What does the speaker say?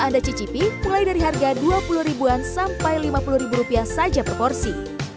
anda cicipi mulai dari harga dua puluh ribuan sampai lima puluh ribu rupiah saja per porsi